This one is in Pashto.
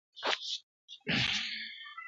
• له ناکامه د خپل کور پر لور روان سو -